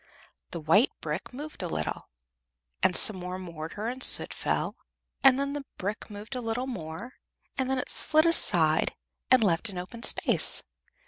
The white brick moved a little, and some more mortar and soot fell; then the brick moved a little more, and then it slid aside and left an open space.